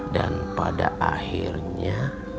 dan pada akhirnya